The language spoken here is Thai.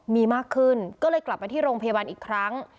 มีมากขึ้นก็เลยกลับมาที่โรงพยาบาลอีกครั้ง